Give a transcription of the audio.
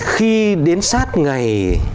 khi đến sát ngày